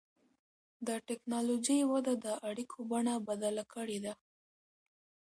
د ټکنالوجۍ وده د اړیکو بڼه بدله کړې ده.